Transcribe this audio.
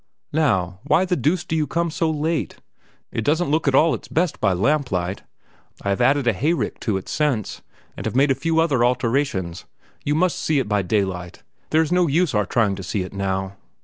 Now, why the deuce do you come so late? It doesn't look at all its best by lamplight. I have added a hayrick to it since, and have made a few other alterations. You must see it by daylight; there is no use our trying to see it now!"